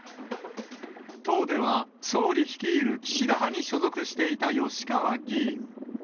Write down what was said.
党では、総理率いる岸田派に所属していた吉川議員。